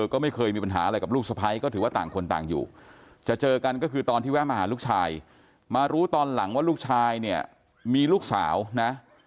ก็คือตอนที่แวะมาหาลูกชายมารู้ตอนหลังว่าลูกชายเนี่ยมีลูกสาวนะ